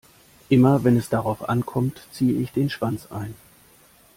Immer wenn es darauf ankommt, ziehe ich den Schwanz ein.